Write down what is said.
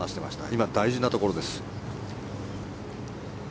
今、大事なところです。